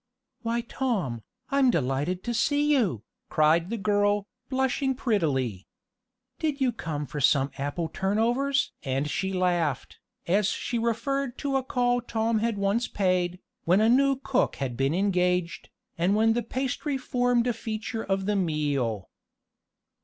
"Why Tom, I'm delighted to see you!" cried the girl, blushing prettily. "Did you come for some apple turnovers?" and she laughed, as she referred to a call Tom had once paid, when a new cook had been engaged, and when the pastry formed a feature of the meal.